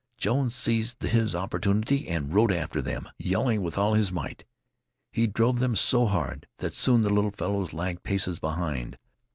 Jones seized his opportunity and rode after them, yelling with all his might. He drove them so hard that soon the little fellows lagged paces behind.